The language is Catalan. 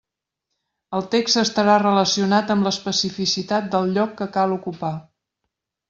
El text estarà relacionat amb l'especificitat del lloc que cal ocupar.